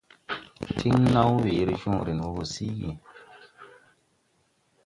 Tiŋ naw weere jõõren wɔ gɔ siigi.